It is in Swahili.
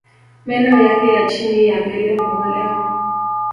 Meno yake ya chini ya mbele hungolewa